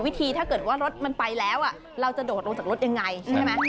ถ้าเกิดว่ารถมันไปแล้วเราจะโดดลงจากรถยังไงใช่ไหม